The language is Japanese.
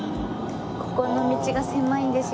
ここの道が狭いんですよ。